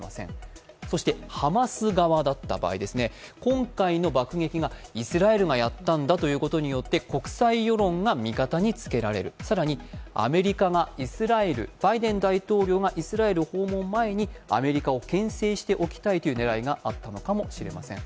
そしてハマス側だった場合、今回の爆撃がイスラエルによるものだとして国際世論が味方につけられる、更にバイデン大統領がイスラエル訪問前にアメリカをけん制しておきたいというねらいがあったのかもしれません。